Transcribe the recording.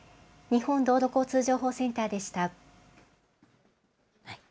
日本道路交通情報センターでした。